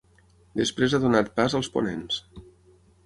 Després ha donat pas als ponents.